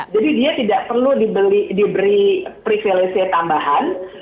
jadi dia tidak perlu diberi privilisi tambahan